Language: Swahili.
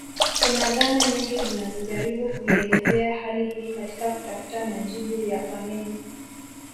Kuna dhana nyingi zinazojaribu kuielezea hali hii katika kutafuta majibu ya kwa nini